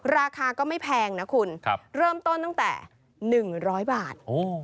ราคาก็ไม่แพงนะคุณเริ่มต้นตั้งแต่๑๐๐บาท